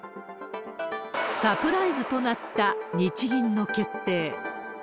サプライズとなった日銀の決定。